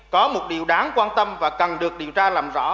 có một điều đáng quan tâm và cần được điều tra làm rõ